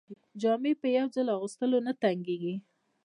جامې په یو ځل اغوستلو نه تنګیږي.